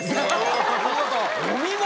お見事！